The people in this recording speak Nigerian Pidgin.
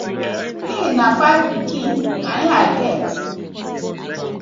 Mi na fiv pikin na it me I get.